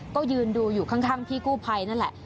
ก็ยืนดูอยู่ข้างพี่กู้ภัยนั่นแหละ